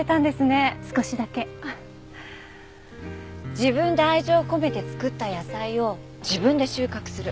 自分で愛情を込めて作った野菜を自分で収穫する。